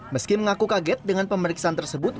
meski mengaku kaget dengan pemeriksaan tersebut